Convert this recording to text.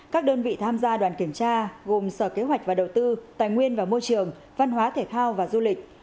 các đơn vị tham gia đoàn kiểm tra gồm sở kế hoạch và đầu tư tài nguyên và môi trường văn hóa thể thao và du lịch